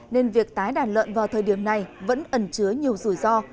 nên việc tái đàn lợn vào thời điểm này vẫn ẩn chứa nhiều rủi ro